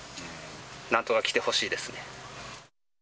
なんとか来てほしいですね。